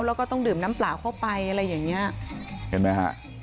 แล้วก็ต้องดื่มน้ำเปล่าเข้าไปอะไรอย่างเงี้ยเห็นไหมฮะ